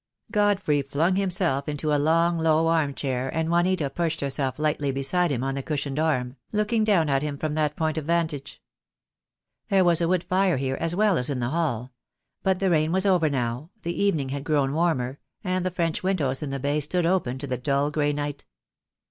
Godfrey flung himself into a long, low, arm chair, and Juanita perched herself lightly beside him on the cushioned arm, looking down at him from that point of vantage. There was a wood fire here as well as in the hall; but the rain was over now, the evening had grown warmer, and the French windows in the bay stood open to the dull grey night.